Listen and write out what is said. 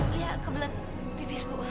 lia kebelet pipis bu